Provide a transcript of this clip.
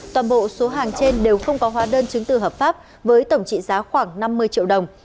toàn bộ số hàng trên đều không có hóa đơn chứng từ hợp pháp với tổng trị giá khoảng năm mươi triệu đồng